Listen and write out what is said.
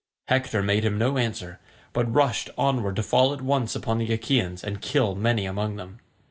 Hector made him no answer, but rushed onward to fall at once upon the Achaeans and kill many among them.